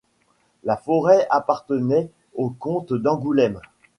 La forêt appartenait aux comtes d'Angoulême.